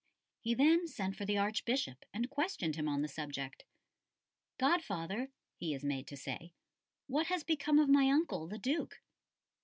He then sent for the Archbishop and questioned him on the subject. "Godfather," he is made to say, "what has become of my uncle, the Duke?"